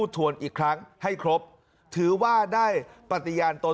คุณสิริกัญญาบอกว่า๖๔เสียง